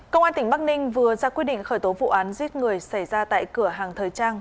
công an tỉnh bắc ninh vừa ra quyết định khởi tố vụ án giết người xảy ra tại cửa hàng thời trang